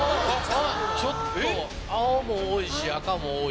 ちょっと青も多いし赤も多い。